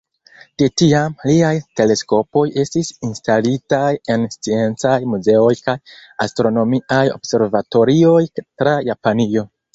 De tiam, liaj teleskopoj estis instalitaj en sciencaj muzeoj kaj astronomiaj observatorioj tra Japanio.